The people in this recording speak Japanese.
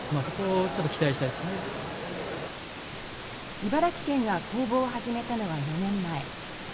茨城県が公募を始めたのが４年前。